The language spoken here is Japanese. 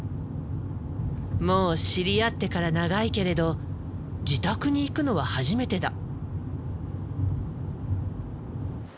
もう知り合ってから長いけれど自宅に行くのは初めてだ。